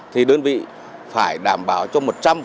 thì đơn vị phải đảm bảo cho một trăm linh